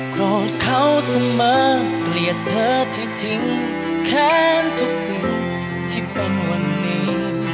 โกรธเขาเสมอเกลียดเธอที่ทิ้งแค้นทุกสิ่งที่เป็นวันนี้